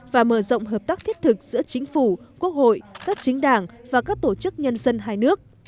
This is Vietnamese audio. và mở rộng hợp tác thiết thực giữa chính phủ quốc hội các chính đảng và các tổ chức nhân dân hai nước